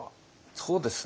そうですね。